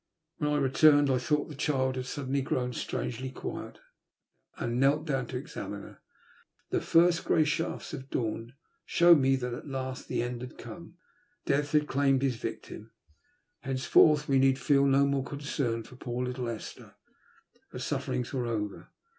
When I returned, I thought the child had suddenly grown strangely quiet, and knelt down to examine her. The first grey shafts of dawn showed me that at last the end had come. Death had claimed his victim. Henceforth we need feel no more concern for poor little Esther — ^her sufferings were over.